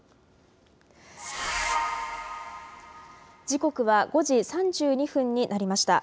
時刻は５時３２分になりました。